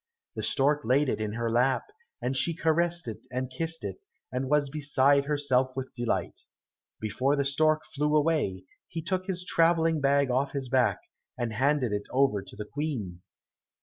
The stork laid it in her lap, and she caressed it and kissed it, and was beside herself with delight. Before the stork flew away, he took his travelling bag off his back and handed it over to the Queen.